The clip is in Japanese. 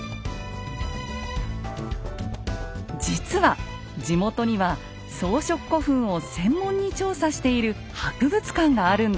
実は地元には装飾古墳を専門に調査している博物館があるんです。